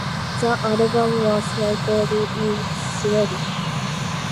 The album was recorded in Swedish.